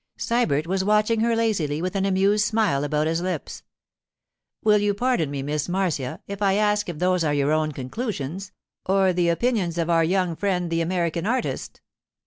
Sybert was watching her lazily, with an amused smile about his lips. 'Will you pardon me, Miss Marcia, if I ask if those are your own conclusions, or the opinions of our young friend the American artist?